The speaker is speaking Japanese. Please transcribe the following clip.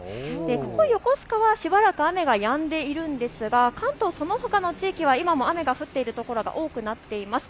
ここ横須賀はしばらく雨がやんでいるんですが関東、そのほかの地域は今も雨が降っている所が多くなっています。